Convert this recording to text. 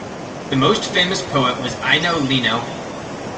The most famous poet was Eino Leino.